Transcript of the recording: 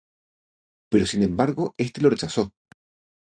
Pero sin embargo este lo rechazó.